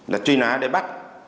là truy nã để bắt